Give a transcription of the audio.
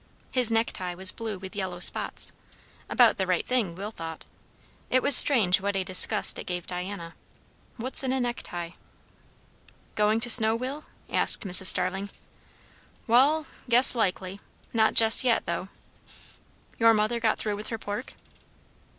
His necktie was blue with yellow spots; about the right thing, Will thought; it was strange what a disgust it gave Diana. What's in a necktie? "Goin' to snow, Will?" asked Mrs. Starling. "Wall guess likely. Not jes' yet, though." "Your mother got through with her pork?"